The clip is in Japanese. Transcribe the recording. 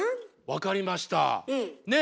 分かりました。ね！